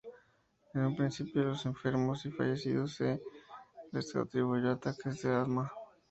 En un principio a los enfermos y fallecidos se les atribuyó ataques de asma.